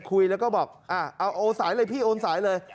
คุยแล้วก็บอกเอาโอนสายเลยพี่โอนสายเลย